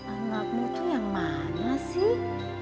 anakmu itu yang mana sih